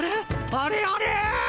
あれあれ？